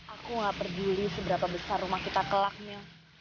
aku nggak peduli seberapa besar rumah kita kelaknya